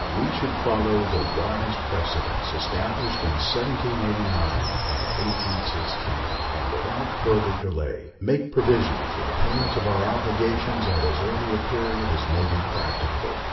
We should follow the wise precedents established in 1789 and 1816, and without further delay make provision for the payment of our obligations at as early a period as may be practicable.